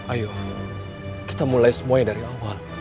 ayo kita mulai semuanya dari awal